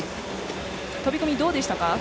飛び込みはどうでしたか？